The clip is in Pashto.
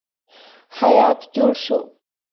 هیات جوړ شو.